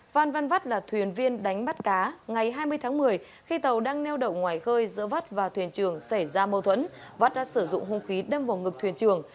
phan văn vắt là thuyền viên đánh bắt cá ngày hai mươi tháng một mươi khi tàu đang neo đậu ngoài khơi giữa vắt và thuyền trường xảy ra mâu thuẫn vắt đã sử dụng hung khí đâm vào ngực thuyền trường